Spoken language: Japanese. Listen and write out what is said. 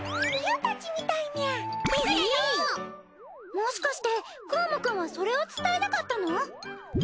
もしかしてくぅもくんはそれを伝えたかったの？